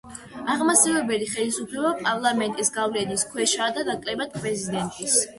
აღმასრულებელი ხელისუფლება პარლამენტის გავლენის ქვეშაა და ნაკლებად პრეზიდენტის.